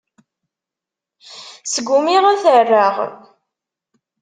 Sgumiɣ ad t-rreɣ.